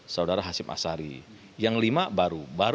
tapi kapten ke gospel itu yang sama